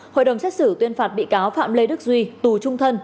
hội đồng xét xử tuyên phạt bị cáo phạm lê đức duy tù trung thân